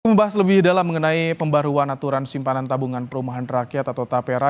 membahas lebih dalam mengenai pembaruan aturan simpanan tabungan perumahan rakyat atau tapera